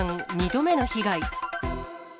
２度目の被害。